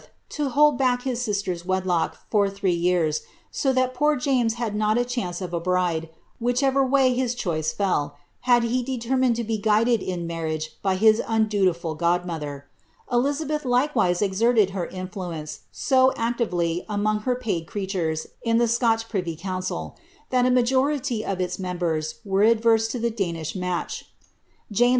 to hold back his sister's wedlock for three years, so that poor James had not a chance of a bride, which ever way his choice fell, had he determined to be guided in marriage by his undutiful godmother. Elizabeth likewise exerted her influence so ^Letter of Daniel Rogers to BuT\e\a\v. ^7* ANNE OF DKS actively among her paid creatures in ihe Scotch privy couDcil, itiU I niajoniy of ils menibere were adverse to ihe Danish match. Jamei